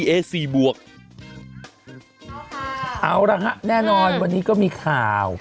เอาละฮะแน่นอนวันนี้ก็มีข่าว